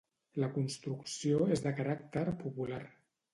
La construcció és de caràcter popular.